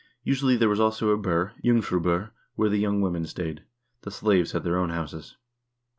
Usually there was also a bur, jungfrubur, where the young women stayed. The slaves had their own houses.